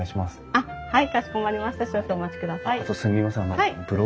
あっはい。